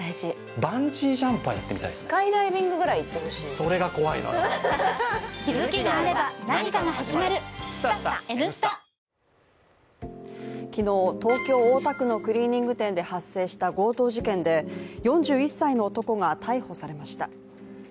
最高の渇きにＤＲＹ昨日、東京・大田区のクリーニング店で発生した強盗事件で４１歳の男が逮捕されました。